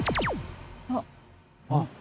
あっ。